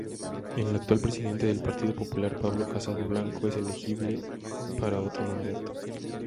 El actual presidente del Partido Popular Pablo Casado Blanco es elegible para otro mandato.